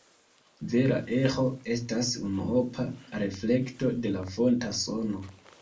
Vera eĥo estas unuopa reflekto de la fonta sono.